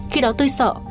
khi đó tôi sợ